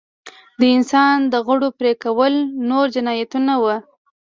د انسان د غړو پرې کول نور جنایتونه وو.